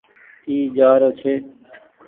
اي جآرو ڇي۔